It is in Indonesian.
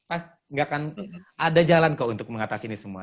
enggak akan ada jalan kok untuk mengatasi ini semua